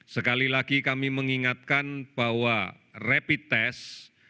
sekali lagi kami mengingatkan bahwa rapid test